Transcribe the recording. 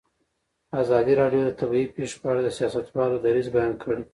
ازادي راډیو د طبیعي پېښې په اړه د سیاستوالو دریځ بیان کړی.